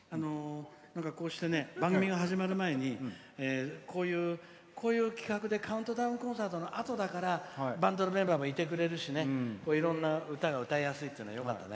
こうして番組が始まる前にこういう企画でカウントダウンコンサートのあとだからバンドのメンバーもいてくれるしいろんな歌が歌いやすいっていうのよかったよね。